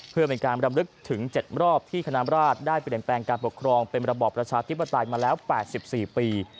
เพื่อเป็นการรำลึกถึง๗รอบที่คณะราชได้เปลี่ยนแปลงการปกครองเป็นระบอบประชาธิปไตยมาแล้ว๘๔ปี